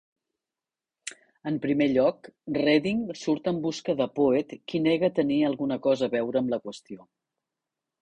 En primer lloc, Redding surt en busca de Poet, qui nega tenir alguna cosa a veure amb la qüestió.